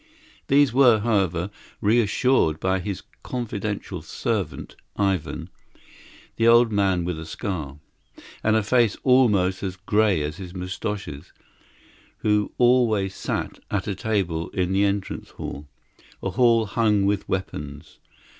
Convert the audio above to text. These were, however, reassured by his confidential servant, Ivan, the old man with a scar, and a face almost as grey as his moustaches, who always sat at a table in the entrance hall a hall hung with weapons.